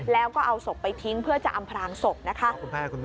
แล้วก็เอาศพไปทิ้งเพื่อจะอำพรางศพนะคะ